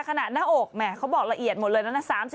ขนาดหน้าอกเขาบอกละเอียดหมดเลยนะ